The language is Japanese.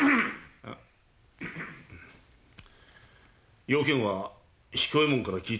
用件は彦右衛門から聞いておろう。